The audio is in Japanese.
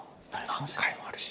何回もあるし。